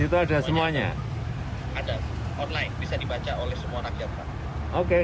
itu ada data online yang ada di rumah sakit